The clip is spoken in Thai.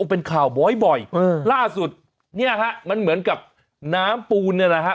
เป็นข่าวบ่อยบ่อยล่าสุดเนี่ยฮะมันเหมือนกับน้ำปูนเนี่ยนะฮะ